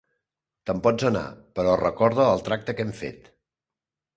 Te'n pots anar, però recorda el tracte que hem fet.